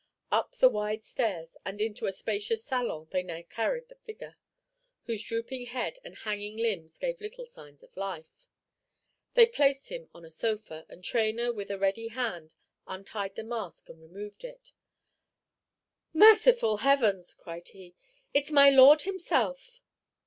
Up the wide stairs and into a spacious salon they now carried the figure, whose drooping head and hanging limbs gave little signs of life. They placed him on a sofa, and Traynor, with a ready hand, untied the mask and removed it. "Merciful Heavens," cried he, "it's my Lord himself!"